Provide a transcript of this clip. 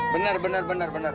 benar benar benar benar